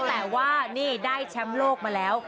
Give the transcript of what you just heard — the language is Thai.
แต่ว่านี่ได้แชมป์โลกมาแล้ว